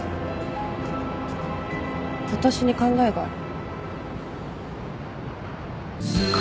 私に考えがある。